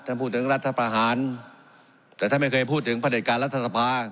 ท่านพูดถึงรัฐภาษณ์แต่ท่านไม่เคยพูดถึงประเด็นการรัฐษภาษณ์